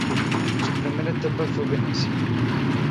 Su primera etapa fue Venecia.